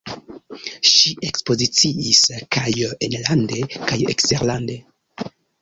Ŝi ekspoziciis kaj enlande kaj eksterlande.